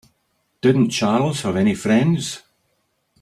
Didn't Charles have any friends?